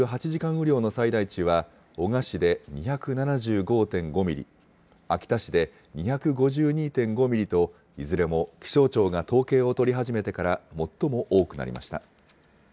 雨量の最大値は男鹿市で２７５．５ミリ、秋田市で２５２．５ミリと、いずれも気象庁が統計を取り始めてから最も多くなりました。